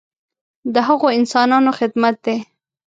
د هغو انسانانو خدمت دی.